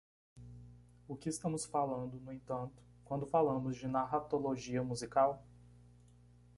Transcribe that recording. O que estamos falando, no entanto, quando falamos de narratologia musical?